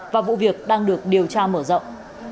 và vụ việc đang được điều tra mở rộng